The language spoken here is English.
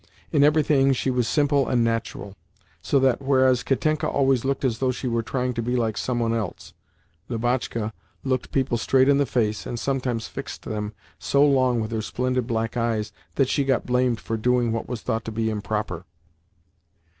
In everything she was simple and natural, so that, whereas Katenka always looked as though she were trying to be like some one else, Lubotshka looked people straight in the face, and sometimes fixed them so long with her splendid black eyes that she got blamed for doing what was thought to be improper.